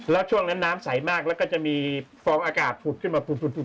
แล้วช่วงนั้นน้ำใสมากแล้วก็จะมีฟองอากาศผุดขึ้นมาผุด